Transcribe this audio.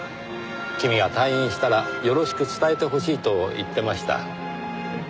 君が退院したらよろしく伝えてほしいと言ってました。